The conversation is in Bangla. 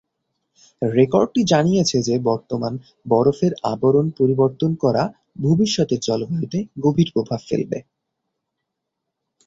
রেকর্ডটি জানিয়েছে যে বর্তমান বরফের আবরণ পরিবর্তন করা ভবিষ্যতের জলবায়ুতে গভীর প্রভাব ফেলবে।